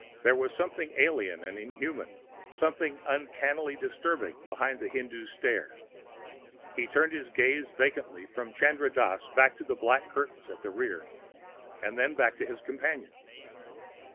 There was something alien and unhuman, something uncannily disturbing, behind the Hindoo's stare. He turned his gaze vacantly from Chandra Dass to the black curtains at the rear, and then back to his companion.